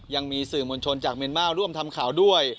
ยังมีสื่อมวลชนจากเมียนมาร์ร่วมทำข่าวด้วย